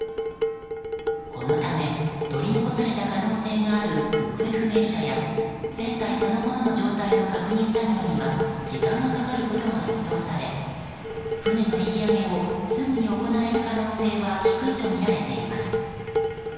このため取り残された可能性がある行方不明者や船体そのものの状態の確認作業には時間がかかることが予想され船の引き上げをすぐに行える可能性は低いとみられています。